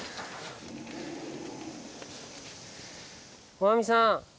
大網さん